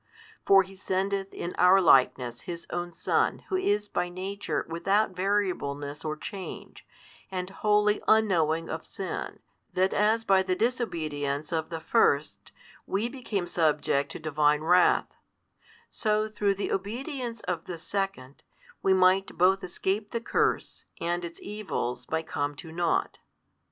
For He sendeth in our likeness His own Son Who is by Nature without variableness or change, and wholly unknowing of sin, that as by the disobedience of the first, we became subject to Divine wrath, so through the obedience of the Second, we might both escape the curse, and its evils might come to nought.